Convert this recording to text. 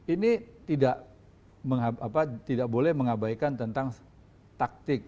ini tidak boleh mengabaikan tentang taktik